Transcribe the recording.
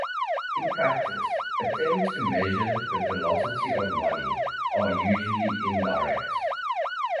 In practice, attempts to measure the velocity of money are usually indirect.